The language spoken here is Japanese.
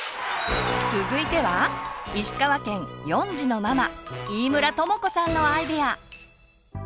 続いては石川県４児のママ飯村友子さんのアイデア！